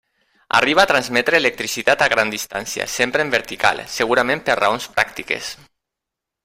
Arriba a transmetre electricitat a gran distància, sempre en vertical, segurament per raons pràctiques.